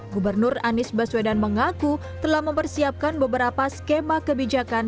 gubernur anies baswedan mengaku telah mempersiapkan beberapa skema kebijakan